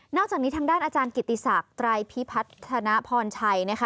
อกจากนี้ทางด้านอาจารย์กิติศักดิ์ไตรพิพัฒนพรชัยนะคะ